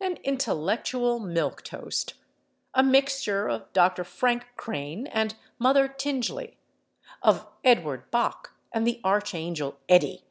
An intellectual milk toast! A mixture of Dr. Frank Crane and Mother Tingley, of Edward Bok and the Archangel Eddy!...